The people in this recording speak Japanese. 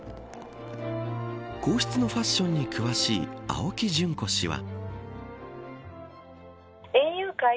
皇室のファッションに詳しい青木淳子氏は。